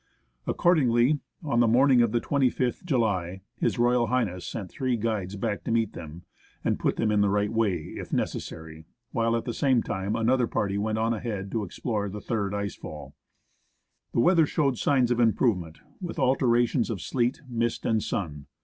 Accordingly, on the morning of the 25th July, H.R. H, sent three guides back to meet them, and put them in the right way if necessary, while at the same time another party went on ahead to explore the tliird ice fall. The weather showed signs of improvement, with alternations of sleet, mist, and sun.